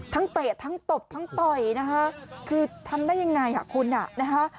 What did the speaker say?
ทั้งเตะทั้งตบทั้งต่อยนะครับคือทำได้ยังไงคุณนะครับ